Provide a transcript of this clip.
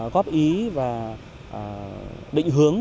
góp ý và định hướng